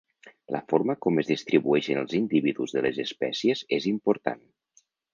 La forma com es distribueixen els individus de les espècies és important.